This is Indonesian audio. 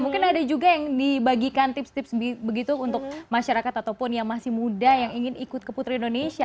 mungkin ada juga yang dibagikan tips tips begitu untuk masyarakat ataupun yang masih muda yang ingin ikut ke putri indonesia